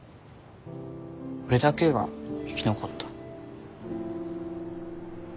俺だけが生き残った。